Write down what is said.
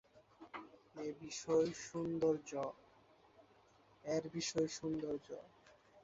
এর বিষয় সৌন্দর্য।